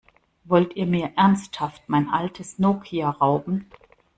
Wollt ihr mir ernsthaft mein altes Nokia rauben?